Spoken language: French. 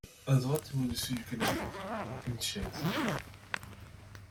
À droite et au-dessus du canapé, une chaise.